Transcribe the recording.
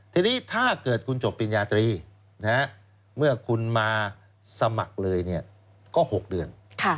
ทีนี้ถ้าเกิดคุณจบปริญญาตรีเมื่อคุณมาสมัครเลยก็๖เดือน